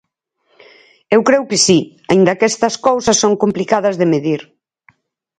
Eu creo que si, aínda que estas cousas son complicadas de medir.